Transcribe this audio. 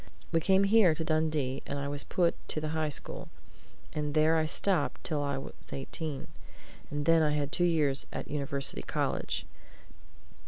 We came here to Dundee, and I was put to the High School, and there I stopped till I was eighteen, and then I had two years at University College.